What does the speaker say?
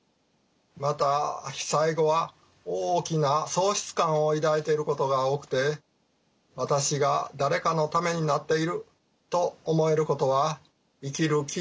また被災後は大きな喪失感を抱いていることが多くて「私が誰かのためになっている」と思えることは生きる気力にもなります。